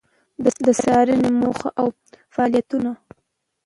د څــارنـې موخـه او فعالیـتونـه: